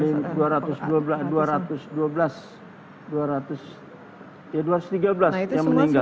korban dua ratus dua belas dua ratus tiga belas yang meninggal